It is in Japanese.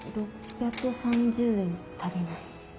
６３０円足りない。